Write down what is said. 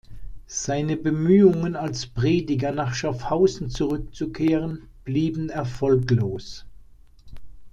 Seine Bemühungen, als Prediger nach Schaffhausen zurückzukehren, blieben erfolglos.